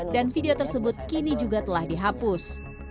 dan video tersebut kini juga telah dihapus